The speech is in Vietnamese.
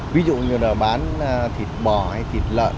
ví dụ như là bán thịt bò hay thịt lợn